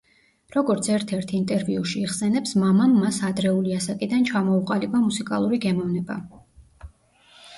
როგორც ერთ-ერთ ინტერვიუში იხსენებს მამამ მას ადრეული ასაკიდან ჩამოუყალიბა მუსიკალური გემოვნება.